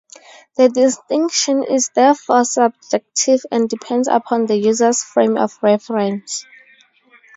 The distinction is therefore subjective and depends upon the user's frame of reference.